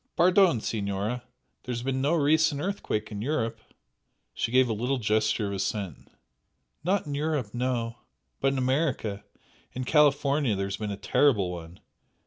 "Pardon, Signora! There has been no recent earthquake in Europe." She gave a little gesture of assent. "Not in Europe no! But in America in California there has been a terrible one!"